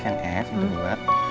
yang f yang f yang f yang f